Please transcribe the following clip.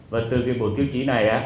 và từ cái bộ tiêu chí này